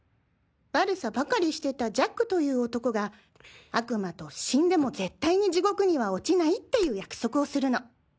悪さばかりしてたジャックという男が悪魔と死んでも絶対に地獄には落ちないっていう約束をするの。